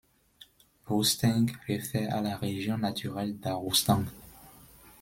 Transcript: Rustaing réfère à la région naturelle d'Arroustang.